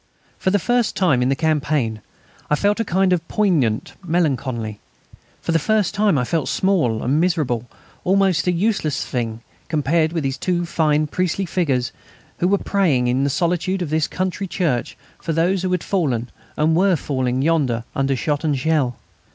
For the first time in the campaign I felt a kind of poignant melancholy. For the first time I felt small and miserable, almost a useless thing, compared with those two fine priestly figures who were praying in the solitude of this country church for those who had fallen and were falling yonder under shot and shell.